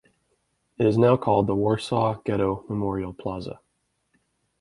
It is now called the Warsaw Ghetto Memorial Plaza.